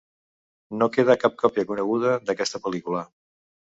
No queda cap còpia coneguda d'aquesta pel·lícula.